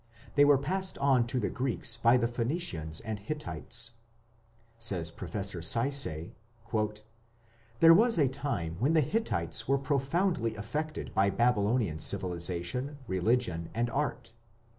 They were passed on to the Greeks by the Phoenicians and Hittites. "There was a time ", says Professor Sayce, "when the Hittites were profoundly affected by Babylonian civilization, religion, and art...."